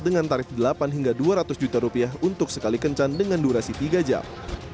dengan tarif delapan hingga dua ratus juta rupiah untuk sekali kencan dengan durasi tiga jam